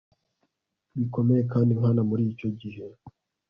bikomeye kandi nkana Muri icyo gihe